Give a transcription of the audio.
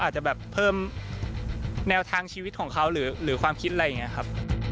อาจจะแบบเพิ่มแนวทางชีวิตของเขาหรือความคิดอะไรอย่างนี้ครับ